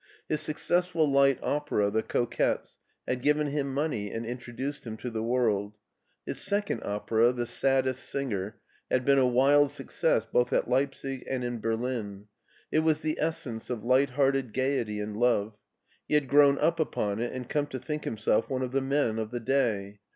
His successful light opera, "The Coquettes," had given him money and introduced him to the world. His second opera, *' The Saddest Singer,*' had been a wild success both at Leipsic and in Berlin. It was the es sence of light hearted gayety and love. He had grown up upon it and come to think himself one of the men of the day.